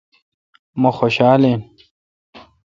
مہ خوشال این۔